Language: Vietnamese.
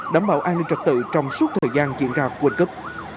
đảm bảo an ninh trật tự trong suốt thời gian diễn ra quân cấp